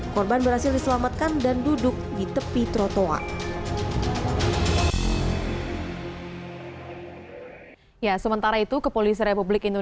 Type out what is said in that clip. korban berhasil diselamatkan dan duduk di tepi trotoar